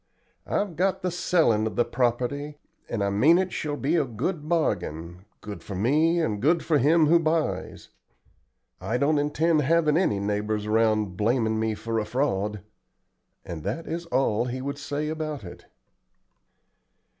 I've got the sellin' of the property, and I mean it shall be a good bargain, good for me and good for him who buys. I don't intend havin' any neighbors around blamin' me for a fraud;" and that is all he would say about it.